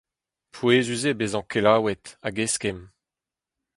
Pouezus eo bezañ kelaouet hag eskemm.